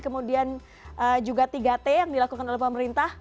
kemudian juga tiga t yang dilakukan oleh pemerintah